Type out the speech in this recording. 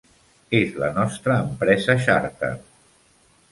És la nostra empresa xàrter.